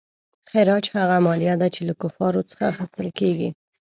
خراج هغه مالیه ده چې له کفارو څخه اخیستل کیږي.